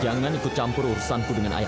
jangan ikut campur urusanku dengan ayah